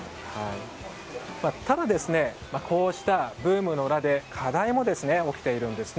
ただ、こうしたブームの裏で課題も起きているんです。